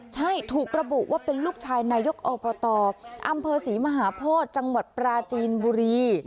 ใช่ถูกระบุว่าเป็นลูกชายนายกอบตอำเภอศรีมหาโพธิจังหวัดปราจีนบุรี